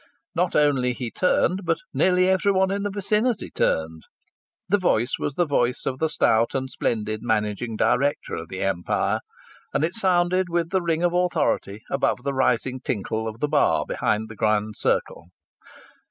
Not only he turned but nearly everyone in the vicinity turned. The voice was the voice of the stout and splendid managing director of the Empire, and it sounded with the ring of authority above the rising tinkle of the bar behind the Grand Circle.